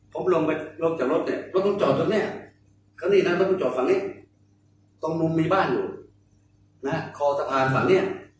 ผมลงจากรถเราต้องจอดตรงนี้ตรงมุมมีบ้านอยู่คอสะพานตรงนี้